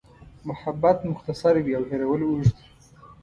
محبت مختصر وي او هېرول اوږد.